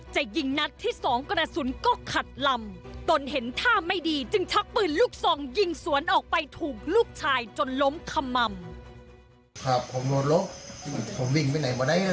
ยิงนัดที่สองกระสุนก็ขัดลำตนเห็นท่าไม่ดีจึงชักปืนลูกซองยิงสวนออกไปถูกลูกชายจนล้มขม่ำ